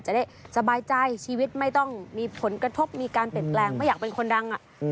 จะได้สบายใจชีวิตไม่ต้องมีผลกระทบมีการเปลี่ยนแปลงไม่อยากเป็นคนดัง